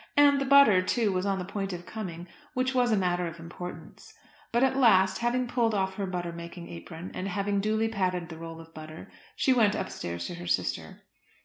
And the butter, too, was on the point of coming, which was a matter of importance. But at last, having pulled off her butter making apron and having duly patted the roll of butter, she went upstairs to her sister.